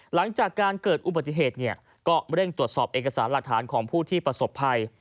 หลังจากการเกิดอุบัติเหตุก็เร่งตรวจสอบเอกสารหลักฐานของผู้ที่ประสบภัย